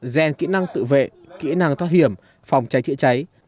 dàn kỹ năng tự vệ kỹ năng thoát hiểm phòng cháy chữa cháy